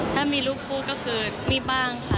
ถ้ามีลูกพูดก็คือมีบ้างค่ะ